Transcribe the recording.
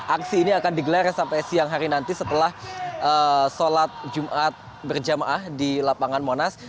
aksi ini akan digelar sampai siang hari nanti setelah sholat jumat berjamaah di lapangan monas